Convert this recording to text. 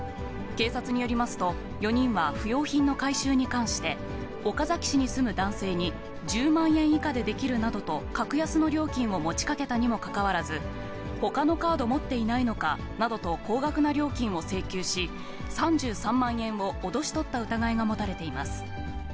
警察によりますと、４人は不用品の回収に関して、岡崎市に住む男性に、１０万円以下でできるなどと格安の料金を持ちかけたにもかかわらず、ほかのカード持っていないのかなどと、高額な料金を請求し、３３万円を脅し取った疑いが持たれています。